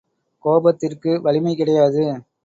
கோபத்திற்கு வலிமை கிடையாது.